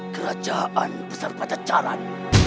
kerajaan besar pancacaran